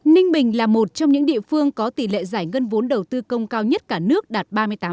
ninh bình là một trong những địa phương có tỷ lệ giải ngân vốn đầu tư công cao nhất cả nước đạt ba mươi tám